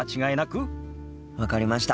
分かりました。